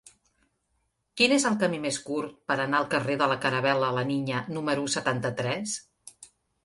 Quin és el camí més curt per anar al carrer de la Caravel·la La Niña número setanta-tres?